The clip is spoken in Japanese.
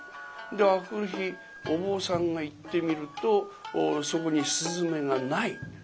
で明くる日お坊さんが行ってみるとそこに雀がない。